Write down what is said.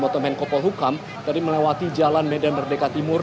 atau menkopol hukam tadi melewati jalan medan merdeka timur